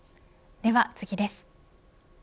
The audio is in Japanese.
では次です。